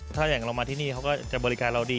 ถ้าอย่างเรามาที่นี่เขาก็จะบริการเราดี